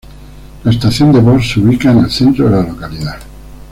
La estación de Voss se ubica en el centro de la localidad.